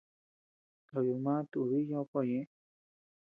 Kabiodma tubi yoko ñeʼe.